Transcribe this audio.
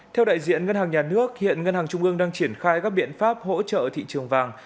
theo đại diện ngân hàng nhà nước hiện ngân hàng trung ương đang triển khai các biện pháp hỗ trợ thị trường vàng